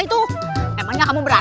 ibu bentar code